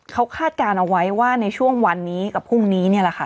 เขาคาดการณ์เอาไว้ว่าในช่วงวันนี้กับพรุ่งนี้เนี่ยแหละค่ะ